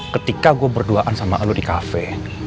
ketika gue berduaan sama lo di kafe